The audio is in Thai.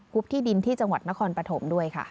ขอบคุณครับ